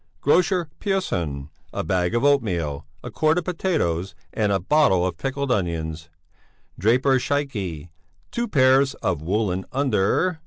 Grocer Persson, a bag of oatmeal, a quart of potatoes, and a bottle of pickled onions. Draper Scheike, two pairs of woollen under....'"